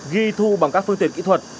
ghi thu bằng các phương tiện kỹ thuật